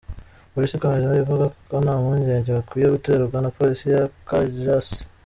Police ikomeza ivuga ko nta mpungenge bakwiye guterwa na polisi ya Kajjansi.